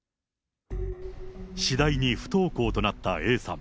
次第に不登校となったＡさん。